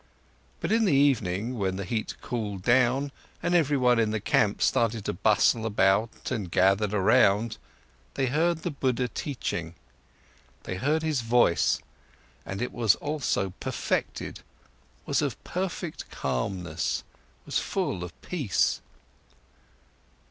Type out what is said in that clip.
But in the evening, when the heat cooled down and everyone in the camp started to bustle about and gathered around, they heard the Buddha teaching. They heard his voice, and it was also perfected, was of perfect calmness, was full of peace.